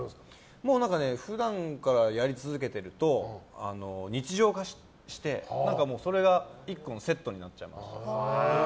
もう普段からやり続けてると日常化して、それが１個のセットになっちゃいました。